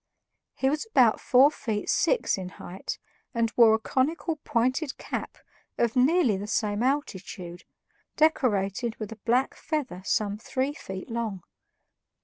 He was about four feet six in height and wore a conical pointed cap of nearly the same altitude, decorated with a black feather some three feet long.